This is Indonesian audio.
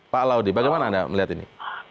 pak laudi bagaimana anda melihat ini